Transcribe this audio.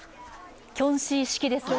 キョンシー式ですね。